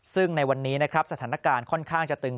ซึ่งในวันนี้นะครับสถานการณ์ค่อนข้างจะตึง